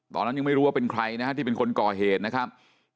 ตอนนั้นยังไม่รู้ว่าเป็นใครนะฮะที่เป็นคนก่อเหตุนะครับ